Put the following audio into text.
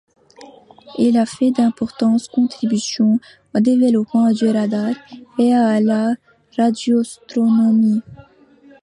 Il a fait d'importantes contributions au développement du radar, et à la radioastronomie.